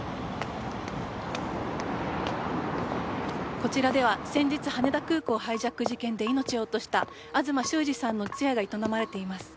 こちらでは先日羽田空港ハイジャック事件で命を落とした東修二さんの通夜が営まれています。